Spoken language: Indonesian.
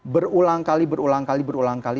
berulang kali berulang kali berulang kali